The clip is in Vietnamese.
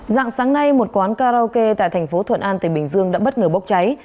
dạng sáng nay một quán karaoke tại thành phố thuận an tây bình dương đã bất ngờ bốc cháy